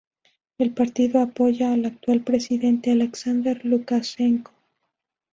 El partido apoya al actual presidente Alexander Lukashenko.